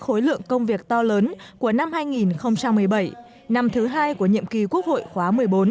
khối lượng công việc to lớn của năm hai nghìn một mươi bảy năm thứ hai của nhiệm kỳ quốc hội khóa một mươi bốn